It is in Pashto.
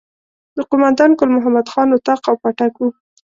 د قوماندان ګل محمد خان اطاق او پاټک وو.